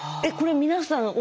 これ皆さん